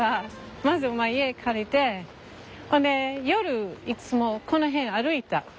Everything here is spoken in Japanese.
まず家借りて夜いつもこの辺歩いた。